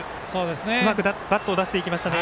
うまくバットを出していきましたね。